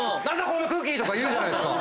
この空気！とか言うじゃないですか。